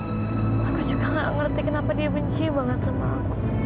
aku juga gak ngerti kenapa dia benci banget sama aku